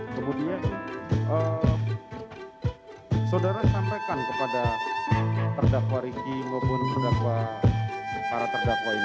kemudian saudara sampaikan kepada terdakwa riki maupun terdakwa para terdakwa ini